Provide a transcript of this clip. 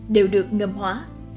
đều được ngầm hóa